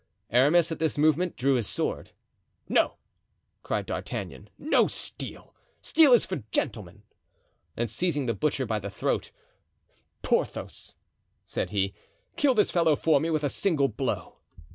Aramis, at this movement, drew his sword. "No," cried D'Artagnan, "no steel. Steel is for gentlemen." And seizing the butcher by the throat: "Porthos," said he, "kill this fellow for me with a single blow."